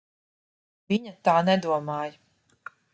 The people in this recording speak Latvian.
Viņa tā nedomāja.